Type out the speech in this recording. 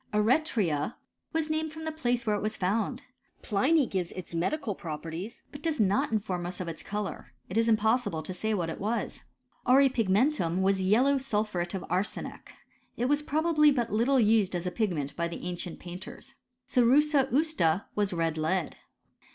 Eretria was named from the place where it was found. Pliny gives its medical properties, but does not inform us of its colour. It is impossible to say what it was. Auripigmentttm was yellow sulphuret of arsenic. It was probably but little used as a pigment by the ancient painters. Cerussa usta was red lead.